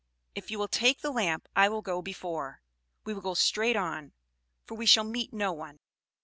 If you will take the lamp, I will go before. We will go straight on, for we shall meet no one."